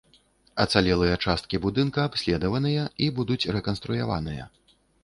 Ацалелыя часткі будынка абследаваныя і будуць рэканструяваныя.